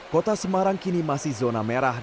kota semarang kini masih zona merah